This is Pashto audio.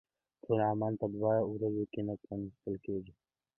ټول عمان په دوه ورځو کې نه کتل کېږي.